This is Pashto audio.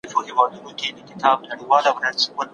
نوي تکنالوژي به زموږ توليدات څو برابره زيات کړي.